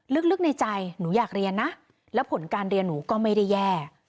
ลึกในใจหนูอยากเรียนนะแล้วผลการเรียนหนูก็ไม่ได้แย่